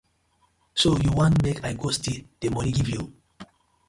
So you want mek I go still di money giv you?